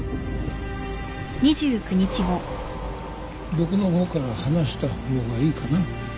僕の方から話した方がいいかな？